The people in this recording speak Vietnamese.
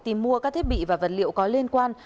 tìm mua các thiết bị và vật liệu có liên quan